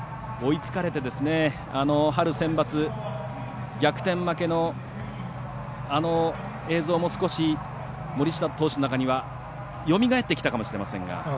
追いつかれて、春センバツ逆転負けの、あの映像も少し森下投手の中にはよみがえってきたかもしれませんが。